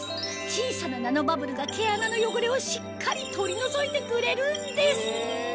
小さなナノバブルが毛穴の汚れをしっかり取り除いてくれるんです！